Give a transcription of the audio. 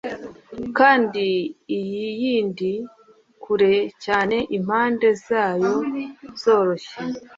Kandi iyi yindi kure cyane impande zayo zoroshye